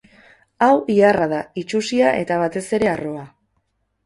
Hau iharra da, itsusia eta, batez ere, harroa.